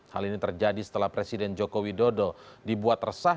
hal ini terjadi setelah presiden joko widodo dibuat resah